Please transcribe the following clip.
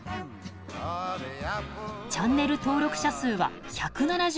チャンネル登録者数は１７０万人超え。